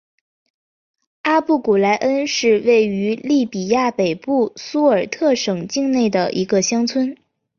阿布古来恩是位于利比亚北部苏尔特省境内的一个乡村。